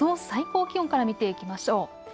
最高気温から見ていきましょう。